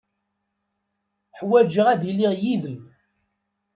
Ḥwajeɣ ad iliɣ yid-m.